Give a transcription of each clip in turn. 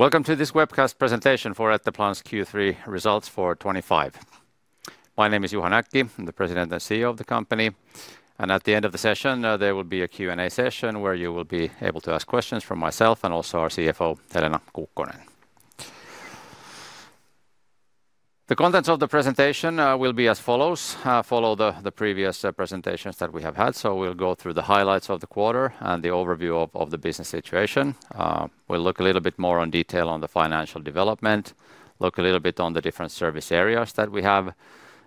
Welcome to this webcast presentation for Etteplan's Q3 results for 2025. My name is Juha Näkki, the President and CEO of the company. At the end of the session, there will be a Q&A session where you will be able to ask questions from myself and also our CFO, Helena Kukkonen. The contents of the presentation will be as follows: follow the previous presentations that we have had, so we'll go through the highlights of the quarter and the overview of the business situation. We'll look a little bit more in detail on the financial development, look a little bit on the different service areas that we have,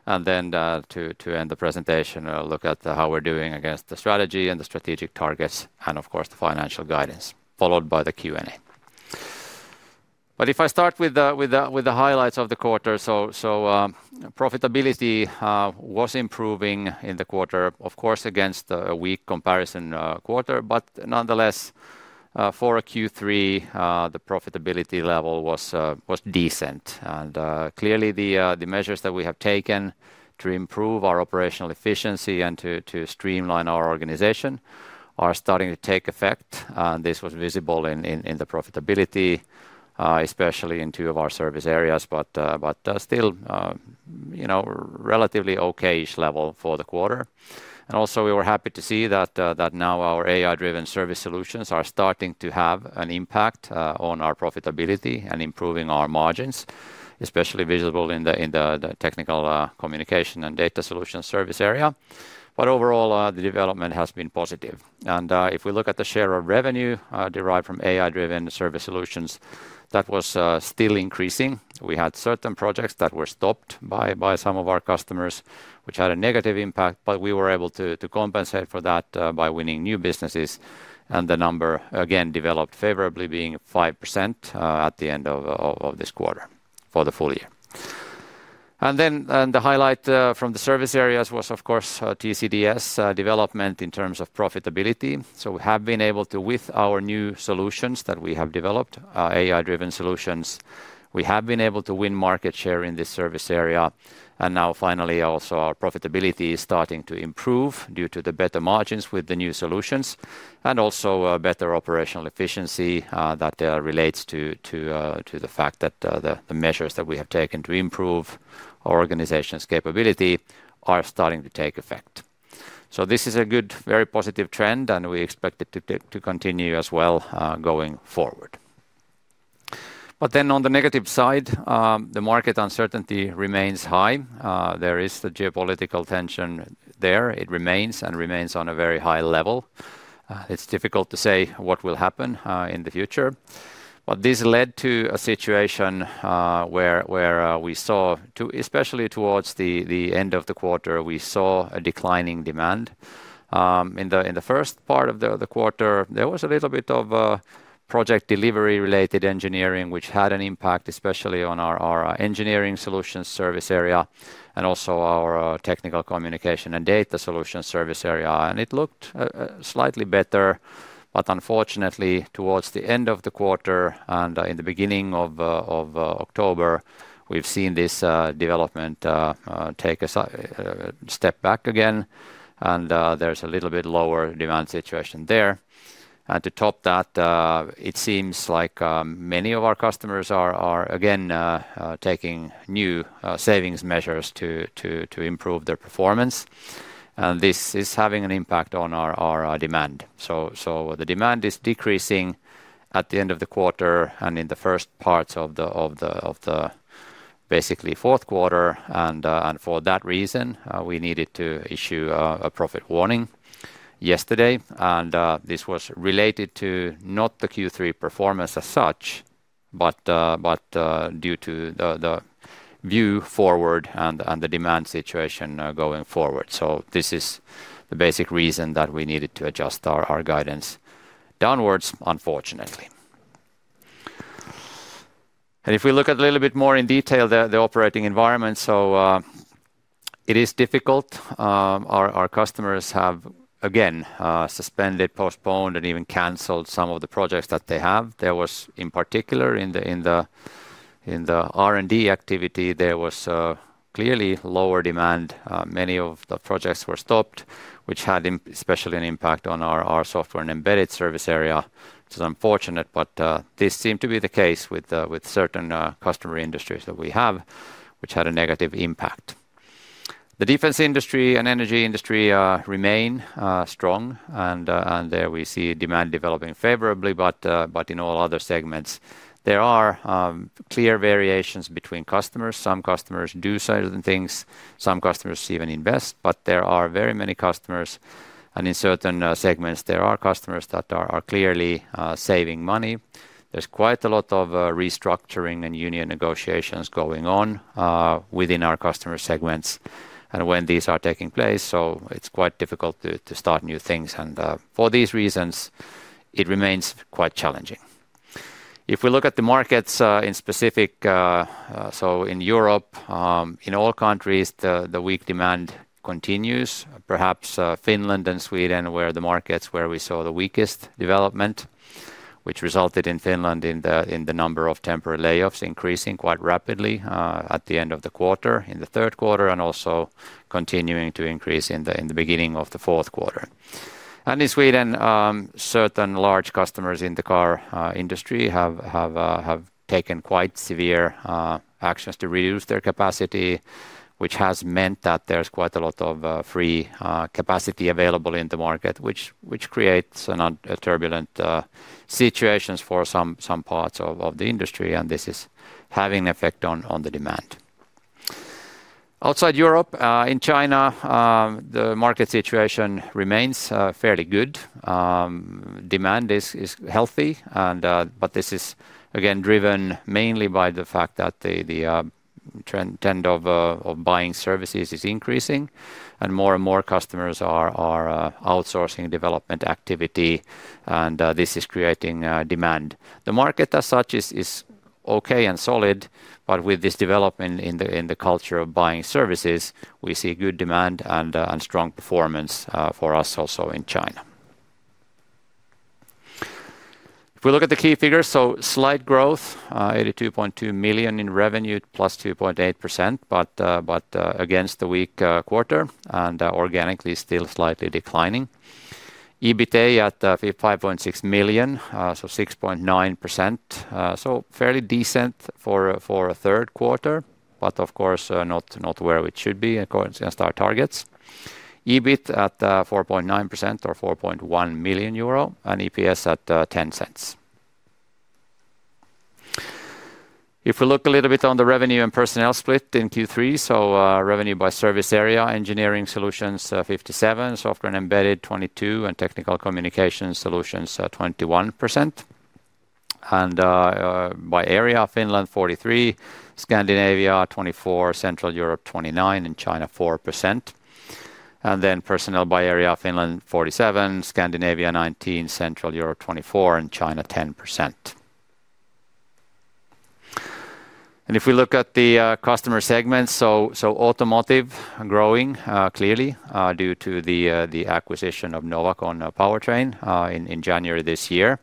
and then to end the presentation, look at how we're doing against the strategy and the strategic targets, and of course the financial guidance, followed by the Q&A. If I start with the highlights of the quarter, profitability was improving in the quarter, of course against a weak comparison quarter, but nonetheless for a Q3, the profitability level was decent. Clearly, the measures that we have taken to improve our operational efficiency and to streamline our organization are starting to take effect, and this was visible in the profitability, especially in two of our service areas, but still relatively okay-ish level for the quarter. Also, we were happy to see that now our AI-driven service solutions are starting to have an impact on our profitability and improving our margins, especially visible in the Technical Communication and Data Solutions service area. Overall, the development has been positive. If we look at the share of revenue derived from AI-driven service solutions, that was still increasing. We had certain projects that were stopped by some of our customers, which had a negative impact, but we were able to compensate for that by winning new businesses, and the number again developed favorably, being 5% at the end of this quarter for the full year. The highlight from the service areas was of course TCDS development in terms of profitability. We have been able to, with our new solutions that we have developed, AI-driven solutions, we have been able to win market share in this service area, and now finally also our profitability is starting to improve due to the better margins with the new solutions, and also better operational efficiency that relates to the fact that the measures that we have taken to improve our organization's capability are starting to take effect. This is a good, very positive trend, and we expect it to continue as well going forward. On the negative side, the market uncertainty remains high. There is the geopolitical tension there. It remains and remains on a very high level. It's difficult to say what will happen in the future, but this led to a situation where we saw, especially towards the end of the quarter, a declining demand. In the first part of the quarter, there was a little bit of project delivery-related engineering, which had an impact especially on our Engineering Solutions service area and also our Technical Communication and Data Solutions service area. It looked slightly better, but unfortunately towards the end of the quarter and in the beginning of October, we've seen this development take a step back again, and there's a little bit lower demand situation there. To top that, it seems like many of our customers are again taking new savings measures to improve their performance, and this is having an impact on our demand. The demand is decreasing at the end of the quarter and in the first parts of the basically fourth quarter, and for that reason, we needed to issue a profit warning yesterday, and this was related to not the Q3 performance as such, but due to the view forward and the demand situation going forward. This is the basic reason that we needed to adjust our guidance downwards, unfortunately. If we look at a little bit more in detail, the operating environment, it is difficult. Our customers have again suspended, postponed, and even canceled some of the projects that they have. In particular, in the R&D activity, there was clearly lower demand. Many of the projects were stopped, which had especially an impact on our Software and Embedded service area. It was unfortunate, but this seemed to be the case with certain customer industries that we have, which had a negative impact. The defense industry and energy industry remain strong, and there we see demand developing favorably, but in all other segments, there are clear variations between customers. Some customers do certain things, some customers even invest, but there are very many customers, and in certain segments, there are customers that are clearly saving money. There's quite a lot of restructuring and union negotiations going on within our customer segments, and when these are taking place, it's quite difficult to start new things, and for these reasons, it remains quite challenging. If we look at the markets in specific, in Europe, in all countries, the weak demand continues. Perhaps Finland and Sweden were the markets where we saw the weakest development, which resulted in Finland in the number of temporary layoffs increasing quite rapidly at the end of the quarter, in the third quarter, and also continuing to increase in the beginning of the fourth quarter. In Sweden, certain large customers in the car industry have taken quite severe actions to reduce their capacity, which has meant that there's quite a lot of free capacity available in the market, which creates turbulent situations for some parts of the industry, and this is having an effect on the demand. Outside Europe, in China, the market situation remains fairly good. Demand is healthy, but this is again driven mainly by the fact that the trend of buying services is increasing, and more and more customers are outsourcing development activity, and this is creating demand. The market as such is okay and solid, but with this development in the culture of buying services, we see good demand and strong performance for us also in China. If we look at the key figures, slight growth, 82.2 million in revenue, +2.8%, but against the weak quarter and organically still slightly declining. EBITDA at 5.6 million, so 6.9%, so fairly decent for a third quarter, but of course not where we should be against our targets. EBIT at 4.9% or 4.1 million euro, and EPS at 0.10. If we look a little bit on the revenue and personnel split in Q3, revenue by service area, Engineering Solutions 57%, Software and Embedded Solutions 22%, and Technical Communication Solutions 21%. By area, Finland 43%, Scandinavia 24%, Central Europe 29%, and China 4%. Then personnel by area, Finland 47%, Scandinavia 19%, Central Europe 24%, and China 10%. If we look at the customer segments, automotive growing clearly due to the acquisition of Novacon Powertrain in January this year,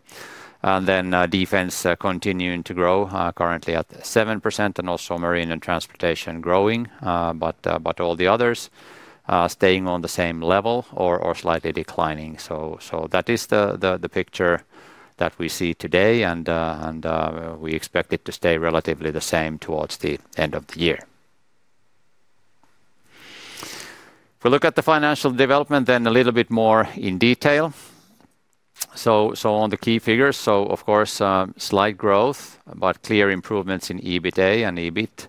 and then defense continuing to grow, currently at 7%, and also marine and transportation growing, but all the others staying on the same level or slightly declining. That is the picture that we see today, and we expect it to stay relatively the same towards the end of the year. If we look at the financial development, then a little bit more in detail. On the key figures, of course, slight growth, but clear improvements in EBITDA and EBIT, and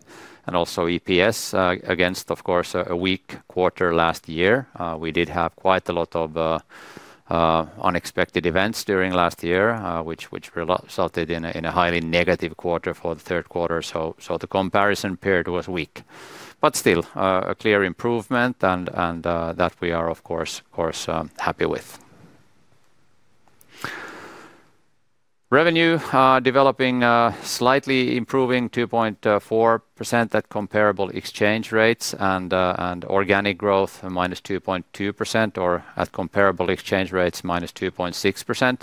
also EPS against, of course, a weak quarter last year. We did have quite a lot of unexpected events during last year, which resulted in a highly negative quarter for the third quarter, so the comparison period was weak. Still, a clear improvement and that we are, of course, happy with. Revenue developing slightly improving, 2.4% at comparable exchange rates, and organic growth -2.2% or at comparable exchange rates -2.6%,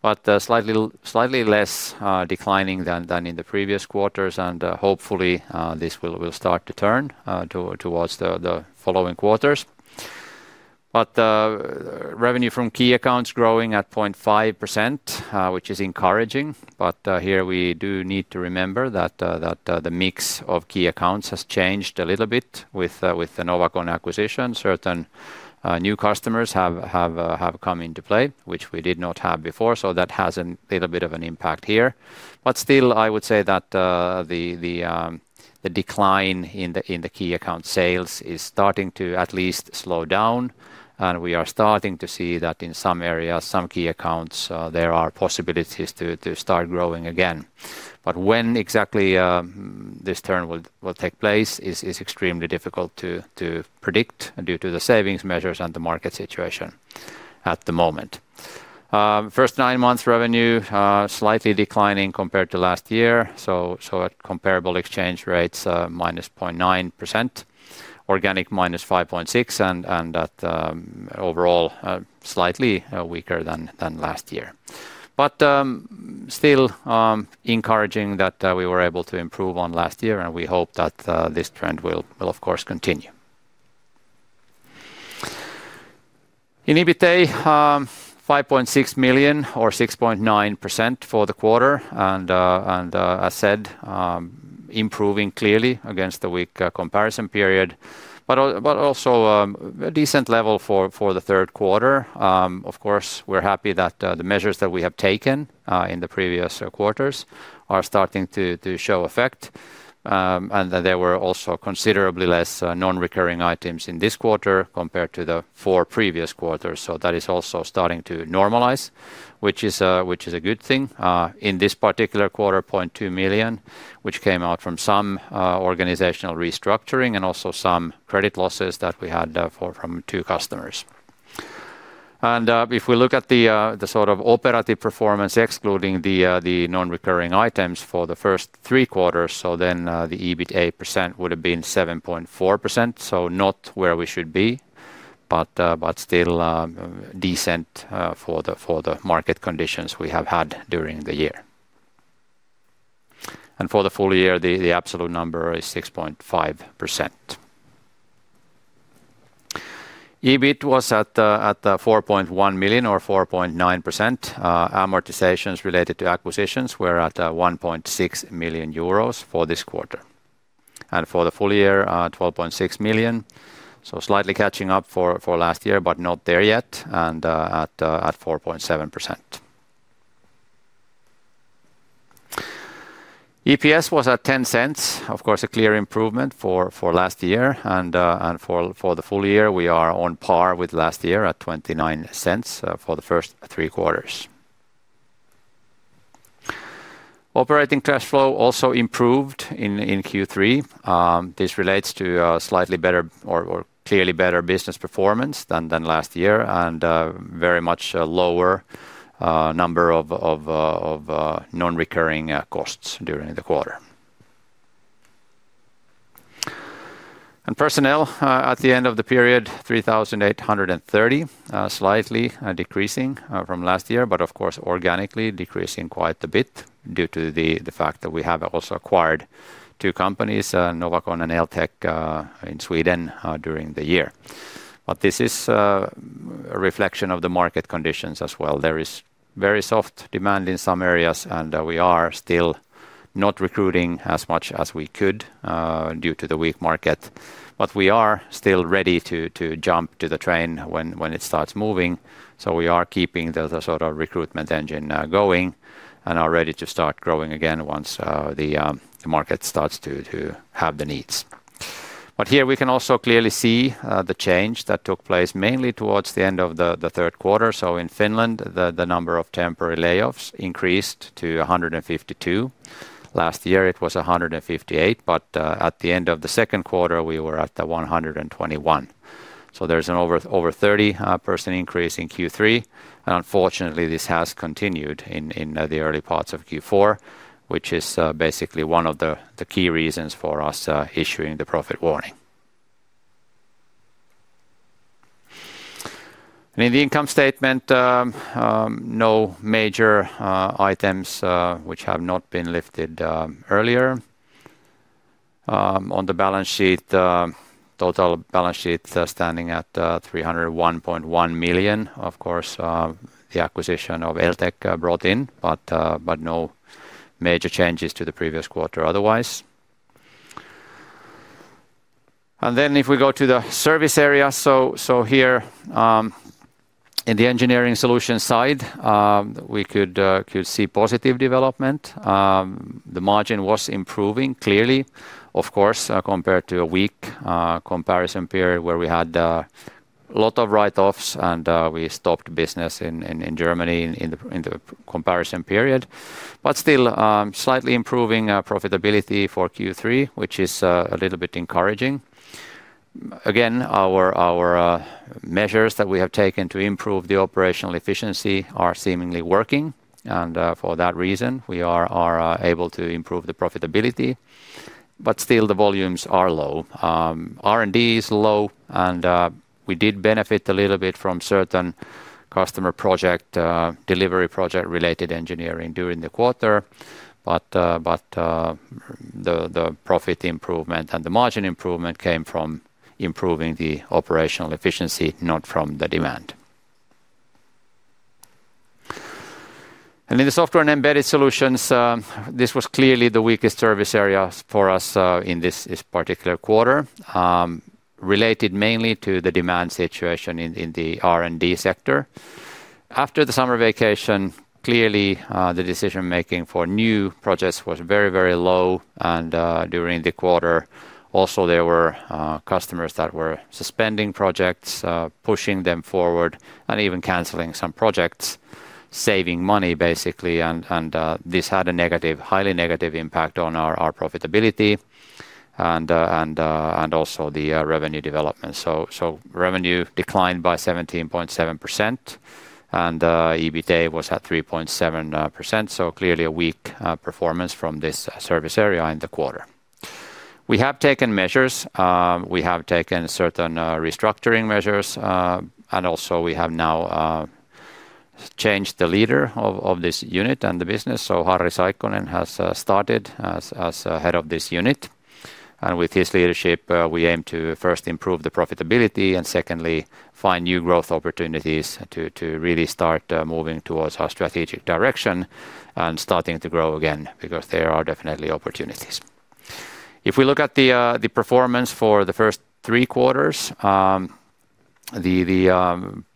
but slightly less declining than in the previous quarters, and hopefully this will start to turn towards the following quarters. Revenue from key accounts growing at 0.5%, which is encouraging, but here we do need to remember that the mix of key accounts has changed a little bit with the Novacon acquisition. Certain new customers have come into play, which we did not have before, so that has a little bit of an impact here. Still, I would say that the decline in the key account sales is starting to at least slow down, and we are starting to see that in some areas, some key accounts, there are possibilities to start growing again. When exactly this turn will take place is extremely difficult to predict due to the savings measures and the market situation at the moment. First nine months revenue slightly declining compared to last year, so at comparable exchange rates -0.9%, organic -5.6%, and that overall slightly weaker than last year. Still encouraging that we were able to improve on last year, and we hope that this trend will, of course, continue. In EBITDA, 5.6 million or 6.9% for the quarter, and as said, improving clearly against the weak comparison period, but also a decent level for the third quarter. Of course, we're happy that the measures that we have taken in the previous quarters are starting to show effect, and there were also considerably less non-recurring items in this quarter compared to the four previous quarters, so that is also starting to normalize, which is a good thing. In this particular quarter, 0.2 million, which came out from some organizational restructuring and also some credit losses that we had from two customers. If we look at the sort of operative performance excluding the non-recurring items for the first three quarters, then the EBITDA percent would have been 7.4%, not where we should be, but still decent for the market conditions we have had during the year. For the full year, the absolute number is 6.5%. EBIT was at 4.1 million or 4.9%. Amortizations related to acquisitions were at 1.6 million euros for this quarter. For the full year, 12.6 million, so slightly catching up for last year, but not there yet, and at 4.7%. EPS was at 0.10, of course, a clear improvement for last year, and for the full year, we are on par with last year at 0.29 for the first three quarters. Operating cash flow also improved in Q3. This relates to a slightly better or clearly better business performance than last year, and a very much lower number of non-recurring costs during the quarter. Personnel at the end of the period, 3,830, slightly decreasing from last year, but of course, organically decreasing quite a bit due to the fact that we have also acquired two companies, Novacon and Eltech in Sweden during the year. This is a reflection of the market conditions as well. There is very soft demand in some areas, and we are still not recruiting as much as we could due to the weak market, but we are still ready to jump to the train when it starts moving, so we are keeping the sort of recruitment engine going and are ready to start growing again once the market starts to have the needs. Here we can also clearly see the change that took place mainly towards the end of the third quarter. In Finland, the number of temporary layoffs increased to 152. Last year, it was 158, but at the end of the second quarter, we were at 121. There's an over 30% increase in Q3, and unfortunately, this has continued in the early parts of Q4, which is basically one of the key reasons for us issuing the profit warning. In the income statement, no major items which have not been lifted earlier. On the balance sheet, total balance sheet standing at 301.1 million. Of course, the acquisition of Eltech brought in, but no major changes to the previous quarter otherwise. If we go to the service area, here in the Engineering Solutions side, we could see positive development. The margin was improving clearly, of course, compared to a weak comparison period where we had a lot of write-offs and we stopped business in Germany in the comparison period. Still, slightly improving profitability for Q3, which is a little bit encouraging. Again, our measures that we have taken to improve the operational efficiency are seemingly working, and for that reason, we are able to improve the profitability, but still the volumes are low. R&D is low, and we did benefit a little bit from certain customer project delivery project-related engineering during the quarter, but the profit improvement and the margin improvement came from improving the operational efficiency, not from the demand. In the Software and Embedded Solutions, this was clearly the weakest service area for us in this particular quarter, related mainly to the demand situation in the R&D sector. After the summer vacation, clearly the decision-making for new projects was very, very low, and during the quarter, also there were customers that were suspending projects, pushing them forward, and even canceling some projects, saving money basically, and this had a negative, highly negative impact on our profitability and also the revenue development. Revenue declined by 17.7%, and EBITDA was at 3.7%, so clearly a weak performance from this service area in the quarter. We have taken measures. We have taken certain restructuring measures, and also we have now changed the leader of this unit and the business, so Harri Saikkonen has started as head of this unit, and with his leadership, we aim to first improve the profitability and secondly find new growth opportunities to really start moving towards our strategic direction and starting to grow again because there are definitely opportunities. If we look at the performance for the first three quarters, the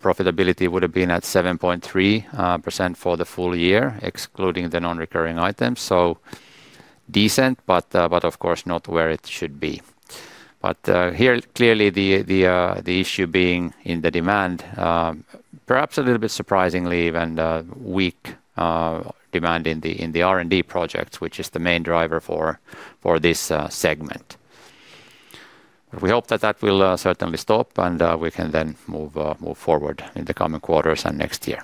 profitability would have been at 7.3% for the full year, excluding the non-recurring items, so decent, but of course not where it should be. Here clearly the issue being in the demand, perhaps a little bit surprisingly even weak demand in the R&D projects, which is the main driver for this segment. We hope that that will certainly stop, and we can then move forward in the coming quarters and next year.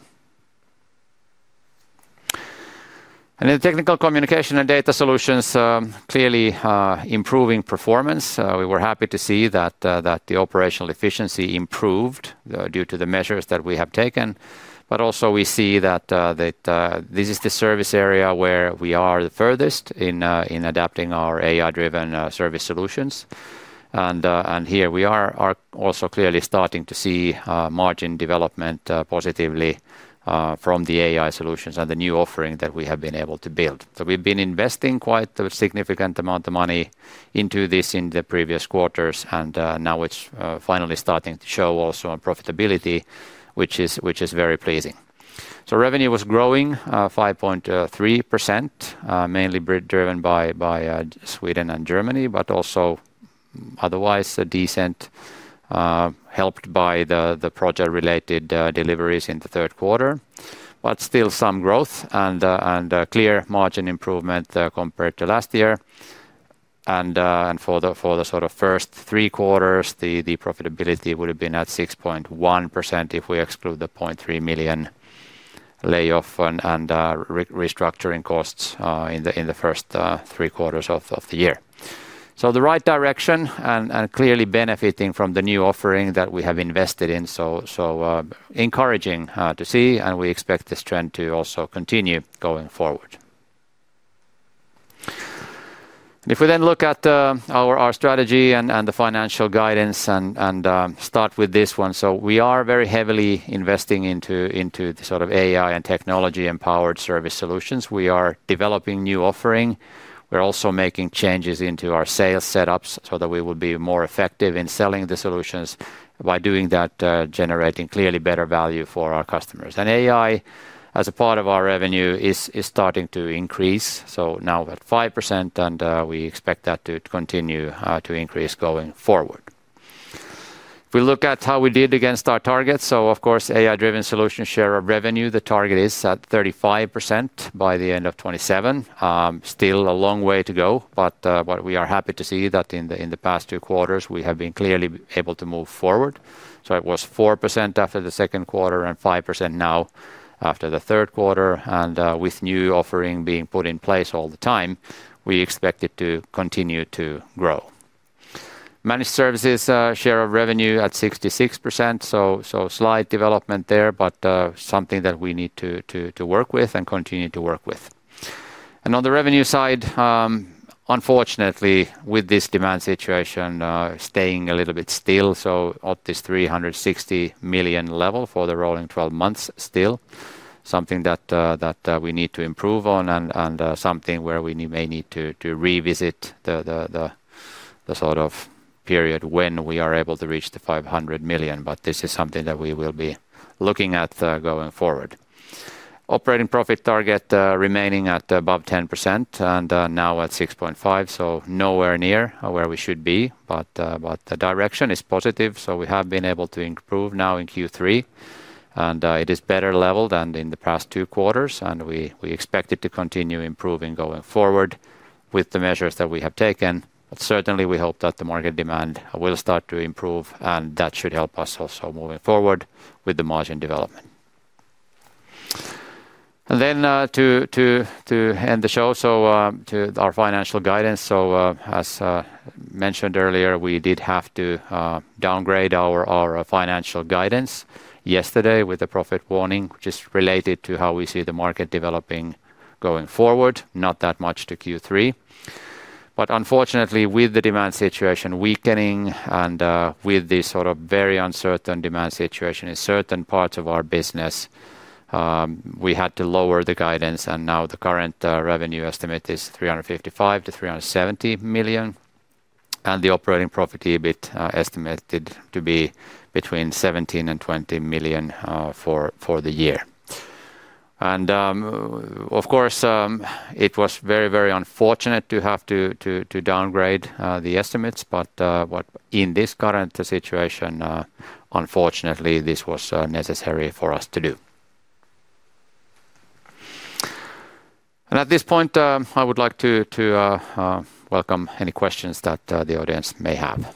In the Technical Communication and Data Solutions, clearly improving performance. We were happy to see that the operational efficiency improved due to the measures that we have taken, but also we see that this is the service area where we are the furthest in adapting our AI-driven service solutions, and here we are also clearly starting to see margin development positively from the AI solutions and the new offering that we have been able to build. We've been investing quite a significant amount of money into this in the previous quarters, and now it's finally starting to show also on profitability, which is very pleasing. Revenue was growing 5.3%, mainly driven by Sweden and Germany, but also otherwise decent, helped by the project-related deliveries in the third quarter, but still some growth and clear margin improvement compared to last year. For the first three quarters, the profitability would have been at 6.1% if we exclude the 0.3 million layoff and restructuring costs in the first three quarters of the year. The right direction and clearly benefiting from the new offering that we have invested in, so encouraging to see, and we expect this trend to also continue going forward. If we then look at our strategy and the financial guidance and start with this one, we are very heavily investing into the AI and technology-empowered service solutions. We are developing new offering. We're also making changes into our sales setups so that we will be more effective in selling the solutions by doing that, generating clearly better value for our customers. AI as a part of our revenue is starting to increase, so now we're at 5%, and we expect that to continue to increase going forward. If we look at how we did against our targets, of course, AI-driven solutions share of revenue, the target is at 35% by the end of 2027. Still a long way to go, but we are happy to see that in the past two quarters, we have been clearly able to move forward. It was 4% after the second quarter and 5% now after the third quarter, and with new offering being put in place all the time, we expect it to continue to grow. Managed services share of revenue at 66%, so slight development there, but something that we need to work with and continue to work with. On the revenue side, unfortunately, with this demand situation staying a little bit still, so at this 360 million level for the rolling 12 months still, something that we need to improve on and something where we may need to revisit the period when we are able to reach the 500 million, but this is something that we will be looking at going forward. Operating profit target remaining at above 10% and now at 6.5%, so nowhere near where we should be, but the direction is positive, so we have been able to improve now in Q3, and it is better level than in the past two quarters, and we expect it to continue improving going forward with the measures that we have taken. Certainly, we hope that the market demand will start to improve, and that should help us also moving forward with the margin development. To end the show, to our financial guidance, as mentioned earlier, we did have to downgrade our financial guidance yesterday with the profit warning, which is related to how we see the market developing going forward, not that much to Q3. Unfortunately, with the demand situation weakening and with this sort of very uncertain demand situation in certain parts of our business, we had to lower the guidance, and now the current revenue estimate is 355 million-370 million, and the operating profit EBIT estimated to be between 17 million and 20 million for the year. Of course, it was very, very unfortunate to have to downgrade the estimates, but in this current situation, unfortunately, this was necessary for us to do. At this point, I would like to welcome any questions that the audience may have.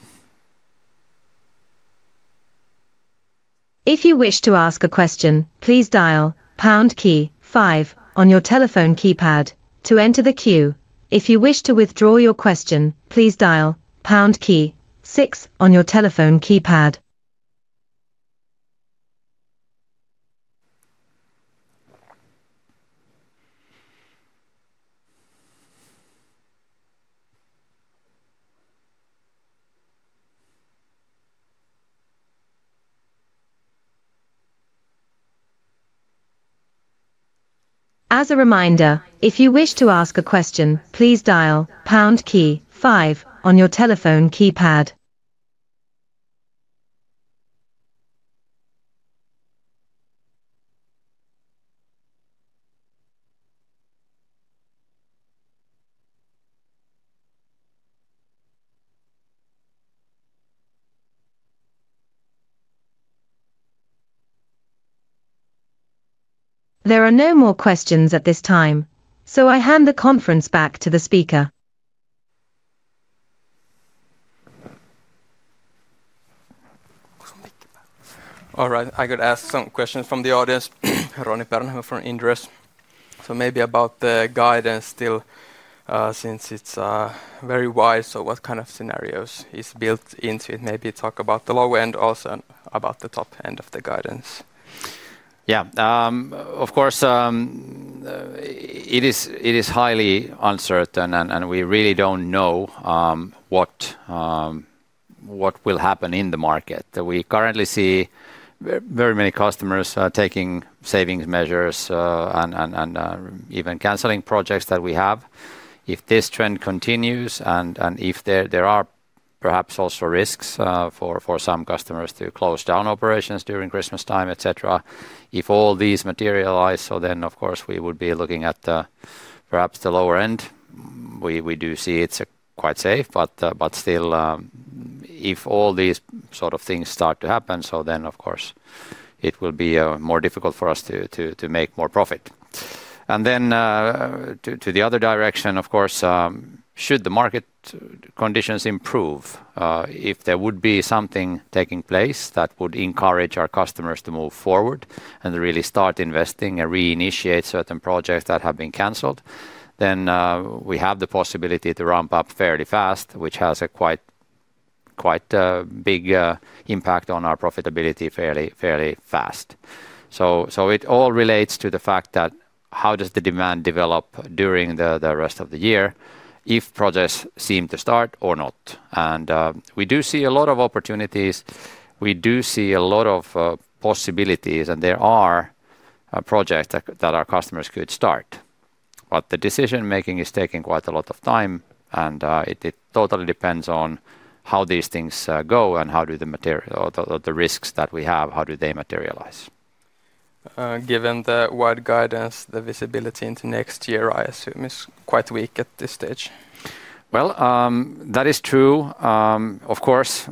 If you wish to ask a question, please dial pound key five on your telephone keypad to enter the queue. If you wish to withdraw your question, please dial pound key six on your telephone keypad. As a reminder, if you wish to ask a question, please dial pound key 5 on your telephone keypad. There are no more questions at this time, so I hand the conference back to the speaker. I could ask some questions from the audience. Ronnie Bernhard from Inderes. Maybe about the guidance still, since it's very wide, so what kind of scenarios is built into it? Maybe talk about the low end also and about the top end of the guidance. Of course, it is highly uncertain, and we really don't know what will happen in the market. We currently see very many customers taking savings measures and even canceling projects that we have. If this trend continues and if there are perhaps also risks for some customers to close down operations during Christmas time, etc., if all these materialize, then of course we would be looking at perhaps the lower end. We do see it's quite safe, but still if all these sort of things start to happen, then of course it will be more difficult for us to make more profit. To the other direction, of course, should the market conditions improve, if there would be something taking place that would encourage our customers to move forward and really start investing and reinitiate certain projects that have been canceled, then we have the possibility to ramp up fairly fast, which has a quite big impact on our profitability fairly fast. It all relates to the fact that how does the demand develop during the rest of the year if projects seem to start or not. We do see a lot of opportunities. We do see a lot of possibilities, and there are projects that our customers could start, but the decision-making is taking quite a lot of time, and it totally depends on how these things go and how do the risks that we have, how do they materialize. Given the wide guidance, the visibility into next year, I assume, is quite weak at this stage. That is true. Of course,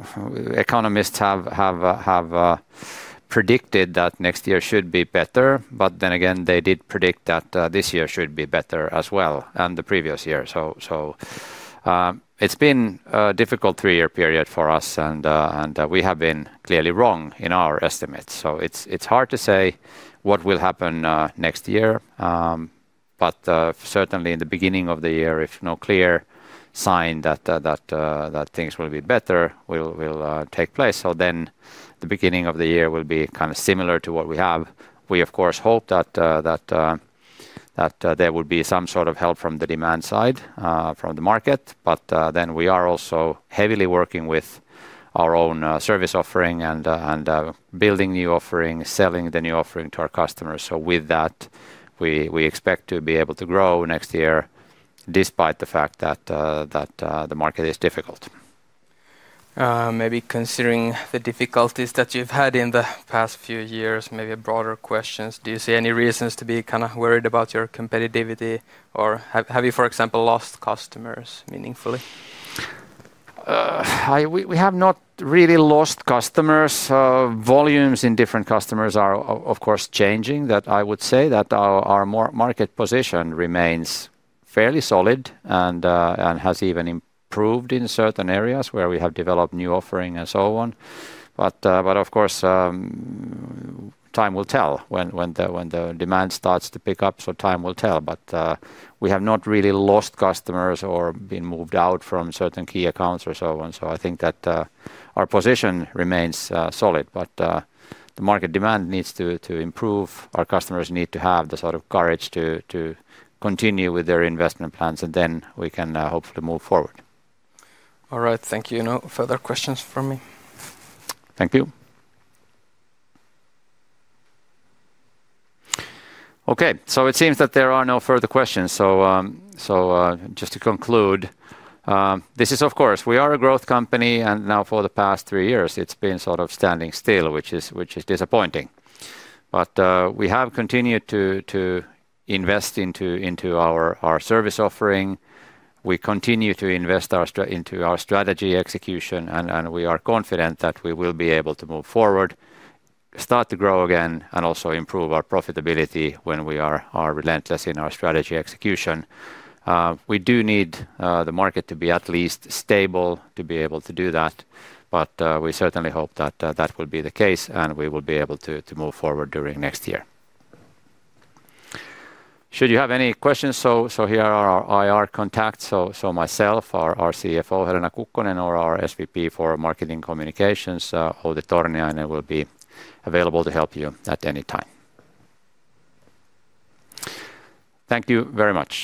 economists have predicted that next year should be better, but then again they did predict that this year should be better as well and the previous year. It's been a difficult three-year period for us, and we have been clearly wrong in our estimates, so it's hard to say what will happen next year. Certainly in the beginning of the year, if no clear sign that things will be better will take place, the beginning of the year will be kind of similar to what we have. We, of course, hope that there would be some sort of help from the demand side from the market, but we are also heavily working with our own service offering and building new offerings, selling the new offering to our customers. With that, we expect to be able to grow next year despite the fact that the market is difficult. Maybe considering the difficulties that you've had in the past few years, maybe a broader question, do you see any reasons to be kind of worried about your competitivity, or have you, for example, lost customers meaningfully? We have not really lost customers. Volumes in different customers are, of course, changing. I would say that our market position remains fairly solid and has even improved in certain areas where we have developed new offering and so on. Of course, time will tell when the demand starts to pick up. Time will tell, but we have not really lost customers or been moved out from certain key accounts or so on. I think that our position remains solid, but the market demand needs to improve. Our customers need to have the sort of courage to continue with their investment plans, and then we can hopefully move forward. All right, thank you. No further questions from me. Thank you. Okay, it seems that there are no further questions. Just to conclude, this is, of course, we are a growth company, and now for the past three years, it's been sort of standing still, which is disappointing. We have continued to invest into our service offering. We continue to invest into our strategy execution, and we are confident that we will be able to move forward, start to grow again, and also improve our profitability when we are relentless in our strategy execution. We do need the market to be at least stable to be able to do that, but we certainly hope that will be the case, and we will be able to move forward during next year. Should you have any questions, here are our IR contacts: myself, our CFO, Helena Kukkonen, or our SVP for Marketing Communications, Outi Torniainen, will be available to help you at any time. Thank you very much.